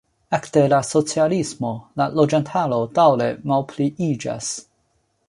Ekde la socialismo la loĝantaro daŭre malpliiĝas.